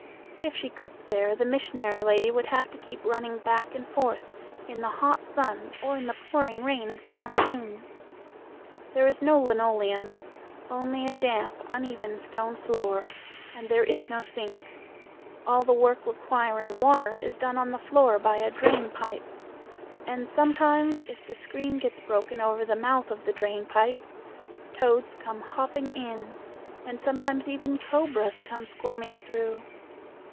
If she cooked there, the missionary lady would have to keep running back and forth in the hot sun or in the pouring rain of the monsoon. There is no linoleum only a damp, uneven stone floor, and there is no sink all the work requiring water is done on the floor by a drain pipe, and sometimes if the screen gets broken over the mouth of the drain pipe, toads come hopping in, and sometimes even cobras come squirming through.